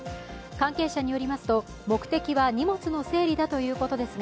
関係者によりますと、目的は荷物の整理だということですが